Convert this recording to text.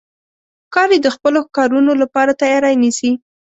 ښکاري د خپلو ښکارونو لپاره تیاری نیسي.